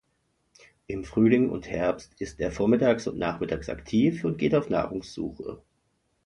Im Frühling und Herbst ist er vormittags und nachmittags aktiv, und geht auf Nahrungssuche.